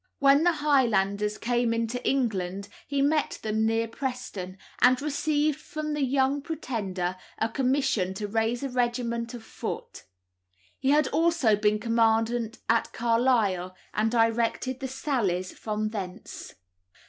When the Highlanders came into England he met them near Preston, and received from the young Pretender a commission to raise a regiment of foot. He had been also commandant at Carlisle, and directed the sallies from thence.